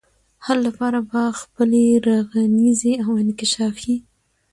حل لپاره به خپلي رغنيزي او انکشافي